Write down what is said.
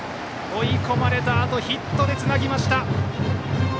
追い込まれたあとヒットでつなぎました！